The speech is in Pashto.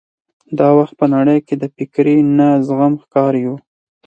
دا وخت په نړۍ کې د فکري نه زغم ښکار یو.